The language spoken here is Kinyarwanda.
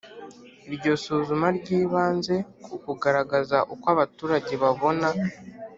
Iryo suzuma ryibanze ku kugaragaza uko abaturage babona